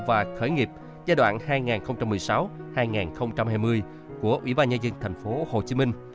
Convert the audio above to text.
và khởi nghiệp giai đoạn hai nghìn một mươi sáu hai nghìn hai mươi của ủy ban nhà dân tp hcm